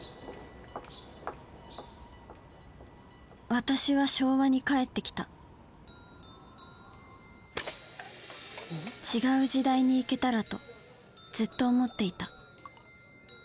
私は昭和に帰ってきた違う時代に行けたらとずっと思っていた。